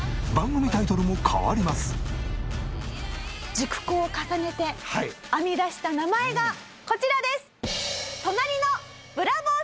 熟考を重ねて編み出した名前がこちらです。